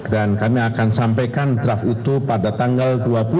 kami akan sampaikan draft itu pada tanggal dua puluh